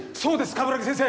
鏑木先生！